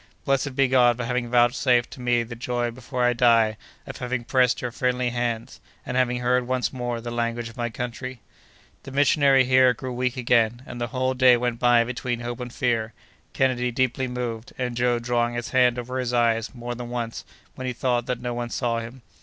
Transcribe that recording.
"Blessed be God for having vouchsafed to me the joy before I die of having pressed your friendly hands, and having heard, once more, the language of my country!" The missionary here grew weak again, and the whole day went by between hope and fear, Kennedy deeply moved, and Joe drawing his hand over his eyes more than once when he thought that no one saw him.